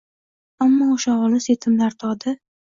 Ammo o’sha olis — yetimlar dodi